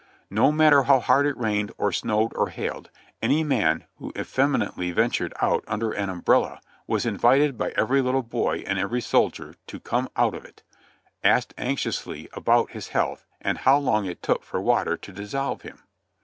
No matter how hard it rained or snowed or hailed, any man who effem inately ventured out under an umbrella was invited by every little boy and every soldier to "come out of it," asked anxiously about his health, or how long it took for w^ater to dissolve him.